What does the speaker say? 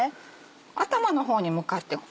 頭の方に向かって。